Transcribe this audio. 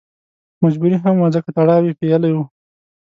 مجبوري هم وه ځکه تړاو یې پېیلی و.